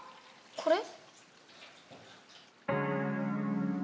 これ？